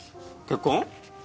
結婚？